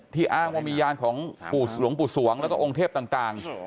อ้างว่ามียานของปู่หลวงปู่สวงแล้วก็องค์เทพต่าง